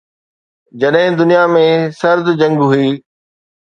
جڏهن دنيا ۾ سرد جنگ هئي.